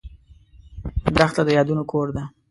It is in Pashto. دښته د یادونو کور ده.